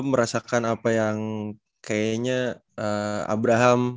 merasakan apa yang kayaknya abraham